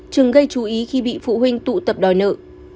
kinh phí khi bị phụ huynh tụ tập đòi nợ